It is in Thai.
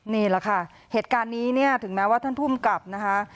นี่แหละค่ะเหตุการณ์นี้เนี่ยถึงแม้ว่าท่านภูมิกับนะคะ